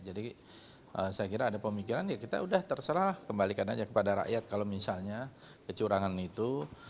jadi saya kira ada pemikiran ya kita sudah terserah kembalikan saja kepada rakyat kalau misalnya kecurangan itu